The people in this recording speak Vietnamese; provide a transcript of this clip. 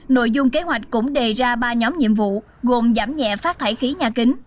nội dung kế hoạch cũng đề ra ba nhóm nhiệm vụ gồm giảm nhẹ phát thải khí nhà kính